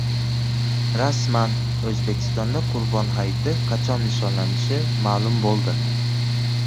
Rasman! O‘zbekistonda Qurbon hayiti qachon nishonlanishi ma’lum bo‘ldi